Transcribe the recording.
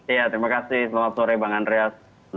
iya terima kasih selamat sore bang andreas